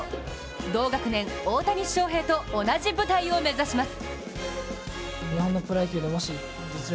同学年、大谷翔平と同じ舞台を目指します。